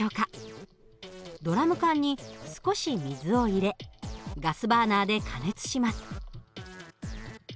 ドラム缶に少し水を入れガスバーナーで加熱します。